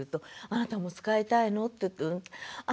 「あなたも使いたいの？」